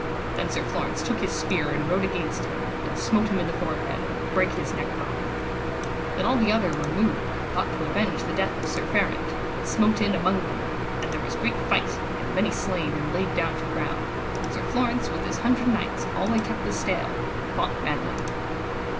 Then Sir Florence took his spear and rode against him, and smote him in the forehead and brake his neck bone. Then all the other were moved, and thought to avenge the death of Sir Ferant, and smote in among them, and there was great fight, and many slain and laid down to ground, and Sir Florence with his hundred knights alway kept the stale, and fought manly.